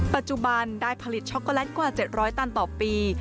ปัจจุบันได้ผลิตช็อคโกแลตกว่าเจ็ดร้อยตันต่อปี